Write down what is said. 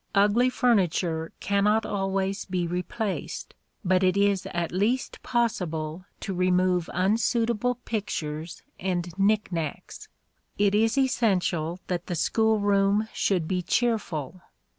Ugly furniture cannot always be replaced; but it is at least possible to remove unsuitable pictures and knick knacks. It is essential that the school room should be cheerful.